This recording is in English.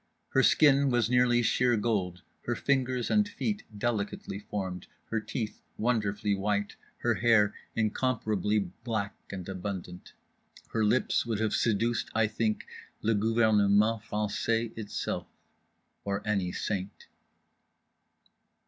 Her skin was nearly sheer gold; her fingers and feet delicately formed: her teeth wonderfully white; her hair incomparably black and abundant. Her lips would have seduced, I think, le gouvernement français itself. Or any saint.